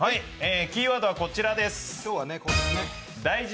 キーワードはこちらです。